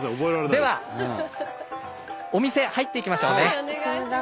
ではお店へ入っていきましょうね。